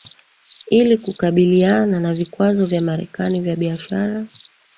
ili kukabiliana na vikwazo vya Marekani vya biashara